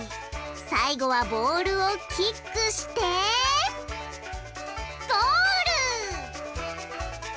最後はボールをキックしてゴール！